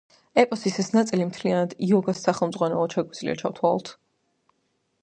ეპოსის ეს ნაწილი მთლიანად იოგას სახელმძღვანელოდ შეგვიძლია ჩავთვალოთ.